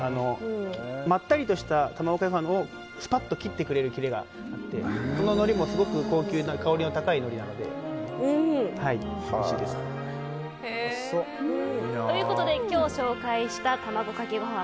まったりとした卵かけご飯をスパッと切ってくれるキレがあってこののりもすごく高級な香りの高いのりなのでおいしいです。ということで今日紹介した卵かけご飯